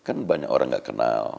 kan banyak orang nggak kenal